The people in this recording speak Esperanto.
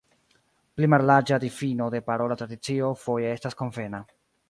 Pli mallarĝa difino de parola tradicio foje estas konvena.